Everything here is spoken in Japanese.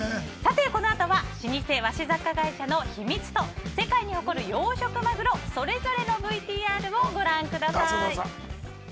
この後は老舗和紙雑貨会社の秘密と世界に誇る養殖マグロそれぞれのＶＴＲをご覧ください。